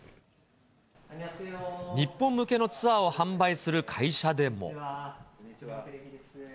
日本向けのツアーを販売する会社でも。